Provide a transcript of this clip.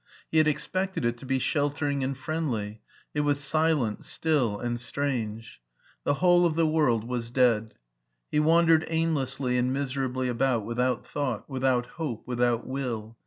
He had expected it to be sheltering and friendly : it was silent, still, and strange. The whole of the world was dead. He wandered aim lessly and miserably about without thought, without hope, without will.